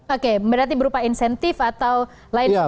oke berarti berupa insentif atau lain sebagainya